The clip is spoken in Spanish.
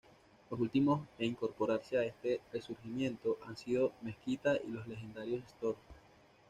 Los últimos en incorporarse a este resurgimiento, han sido Mezquita y los legendarios Storm.